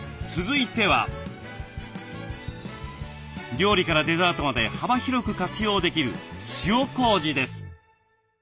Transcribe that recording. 料理からデザートまで幅広く活用できる塩こうじです。